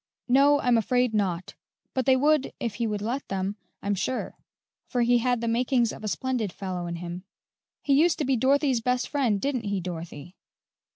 "No, I'm afraid not; but they would if he would let them, I'm sure, for he had the makings of a splendid fellow in him." "He used to be Dorothy's best friend, didn't he, Dorothy?"